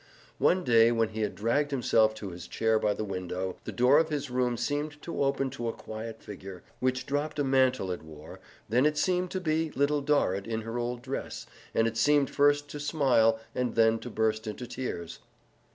One day when he had dragged himself to his chair by the window, the door of his room seemed to open to a quiet figure, which dropped a mantle it wore; then it seemed to be Little Dorrit in her old dress, and it seemed first to smile and then to burst into tears.